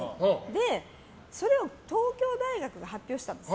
で、それを東京大学が発表したんです。